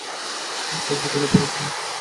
বিশ্বাসই করতে পারছি না!